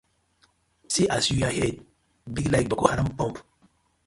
See as yu head big like Boko Haram bomb.